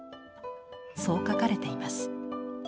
そう書かれています。